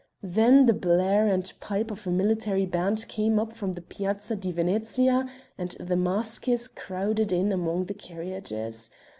Then the blare and pipe of a military band came up from the Piazza di Venezia and the maskers crowded in among the carriages.